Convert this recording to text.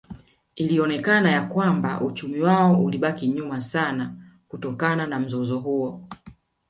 Ilionekana ya kwamba uchumi wao ulibaki nyuma sana kutokana na mzozo huo